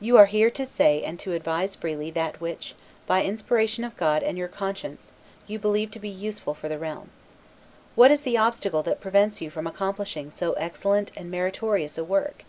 You are here to say and to advise freely that which, by inspiration of God and your conscience, you believe to be useful for the realm. What is the obstacle that prevents you from accomplishing so excellent and meritorious a work?